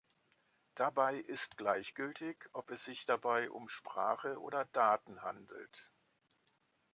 Dabei ist gleichgültig, ob es sich dabei um Sprache oder Daten handelt.